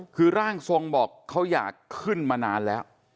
คือร่างทรงบอกเขาอยากขึ้นมานานแล้ว